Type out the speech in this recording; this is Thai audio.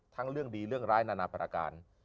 ทั้งเรื่องดีเรื่องร้ายนานาภารการ